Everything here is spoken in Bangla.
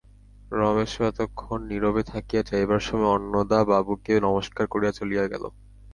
রমেশও এতক্ষণ নীরবে থাকিয়া, যাইবার সময় অন্নদাবাবুকে নমস্কার করিয়া চলিয়া গেল।